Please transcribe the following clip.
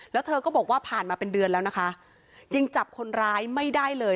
แล้วเธอก็บอกว่าผ่านมาเป็นเดือนแล้วนะคะยังจับคนร้ายไม่ได้เลย